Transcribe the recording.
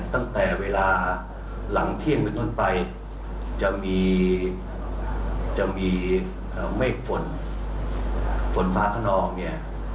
ตั้งแต่เวลาหลังเที่ยงเป็นต้นไปจะมีจะมีเมฆฝนฝนฟ้าขนองเนี่ย